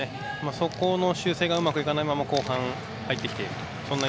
そこの修正がうまくいかないまま後半入ってきている。